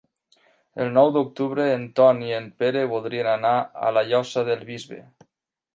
El nou d'octubre en Ton i en Pere voldrien anar a la Llosa del Bisbe.